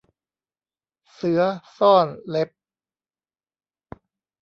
เสือซ่อนเล็บ